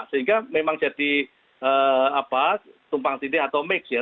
sehingga memang jadi tumpang tindih atau mix ya